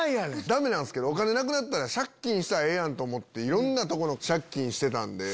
ダメなんすけどお金なくなったら借金したらええやんと思っていろんなとこ借金してたんで。